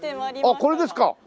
あっこれですか？